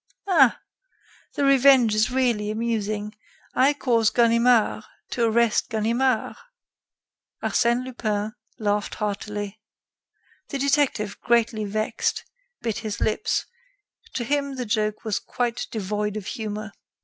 Hein! the revenge is really amusing: I cause Ganimard to arrest Ganimard." Arsène Lupin laughed heartily. The detective, greatly vexed, bit his lips; to him the joke was quite devoid of humor.